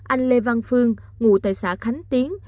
anh lê văn phương ngủ tại xã khánh tiến